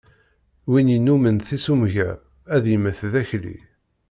Win yennumen tissumga, ad yemmet d akli.